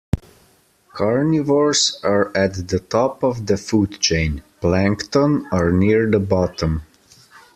Carnivores are at the top of the food chain; plankton are near the bottom